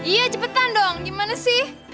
iya cepetan dong gimana sih